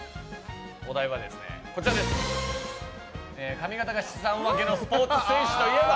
お題は、髪型が七三分けのスポーツ選手といえば？